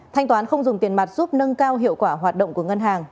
thanh toán không dùng tiền mặt giúp nâng cao hiệu quả hoạt động của ngân hàng